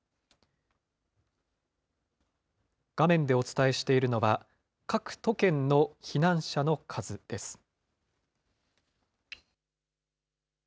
画面でお伝えしているのは、各都県の避難者の数です。